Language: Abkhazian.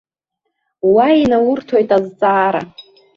Уа инаурҭоит азҵаара.